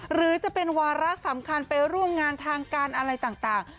หรือจะเป็นวาระสำคัญไปร่วมงานทางการอะไรต่าง